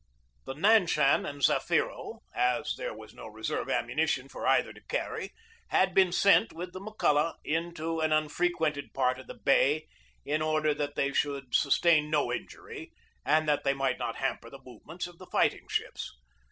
1 The Nanshan and Zafiro, as there was no reserve ammunition for either to carry, had been sent, with 1 Appendix C. 212 GEORGE DEWEY the McCulloch, into an unfrequented part of the bay in order that they should sustain no injury and that they might not hamper the movements of the fight ing ships.